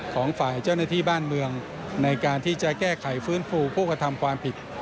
ของฝ่ายเจ้าหน้าที่บ้านเมืองในการที่จะแก้ไขฟื้นฟูผู้กระทำความผิด